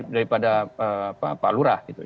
dari pada pak lurah